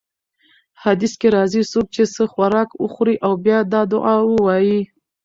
حديث کي راځي: څوک چې څه خوراک وخوري او بيا دا دعاء ووايي: